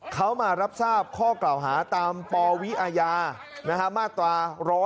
เขามารับทราบข้อกล่าวหาตามปวิอาญามาตรา๑๕